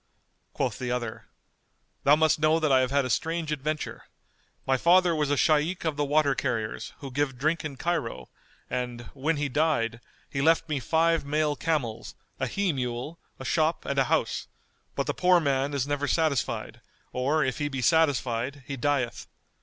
Quoth the other, "Thou must know that I have had a strange adventure. My father was a Shaykh of the Water carriers who give drink in Cairo and, when he died, he left me five male camels, a he mule, a shop and a house; but the poor man is never satisfied; or, if he be satisfied he dieth.